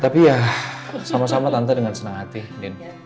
tapi ya sama sama tante dengan senang hati dan